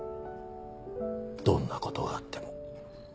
どんなことがあっても。